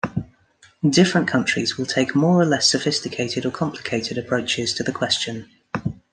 Different countries will take more or less sophisticated, or complicated approaches to the question.